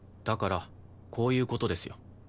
だからこういう事ですよ。